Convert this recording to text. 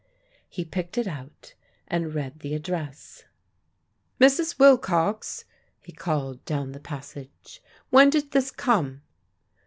He picked it out and read the address. "Mrs. Wilcox!" he called down the passage. "When did this come?"